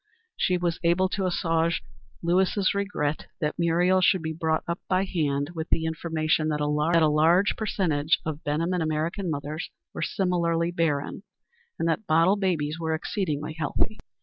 She was able to assuage Lewis' regret that Muriel should be brought up by hand with the information that a large percentage of Benham and American mothers were similarly barren and that bottle babies were exceedingly healthy.